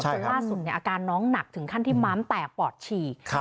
จนล่าสุดอาการน้องหนักถึงขั้นที่ม้ามแตกปอดฉีก